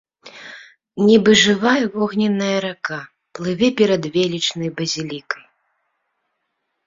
Нібы жывая вогненная рака плыве перад велічнай базілікай.